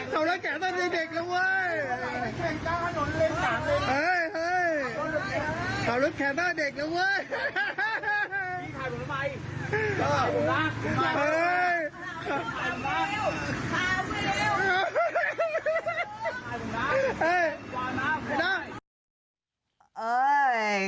ข่าวรถแข่งตั้งแต่เด็กเลยเว้ย